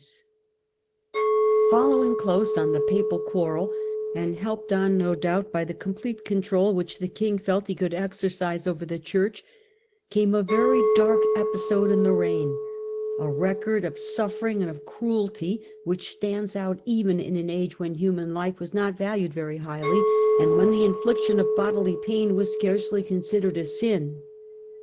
Suppres Following close on the Papal quarrel, and helped on Tempiai r ^^0 doubt by the complete control which the King felt FRENCH HISTORY, 1273 1328 61 he could exercise over the Church, came a very dark episode in the reign : a record of suffering and of cruelty which stands out even in an age when human life was not valued very highly, and when the infliction of bodily pain was scarcely considered a sin.